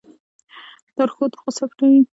لاسونه غصه پټوي